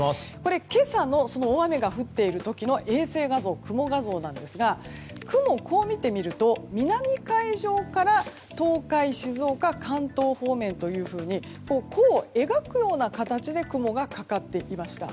今朝の大雨が降っている時の衛星画像雲画像ですが雲をこう見てみると南海上から東海、静岡関東方面というふうに弧を描くような形で雲がかかっていました。